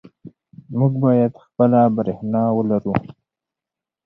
موږ باید خپله برښنا ولرو.